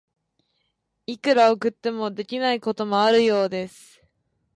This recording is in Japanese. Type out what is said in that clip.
いくら送っても、できないこともあるようです。